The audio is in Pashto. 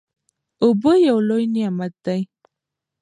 اوبه یو لوی نعمت دی.